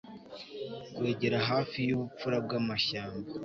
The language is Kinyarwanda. Kwegera hafi yubupfura bwamashyamba